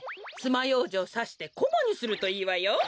つまようじをさしてコマにするといいわよ。